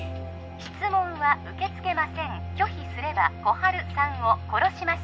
質問は受け付けません拒否すれば心春さんを殺します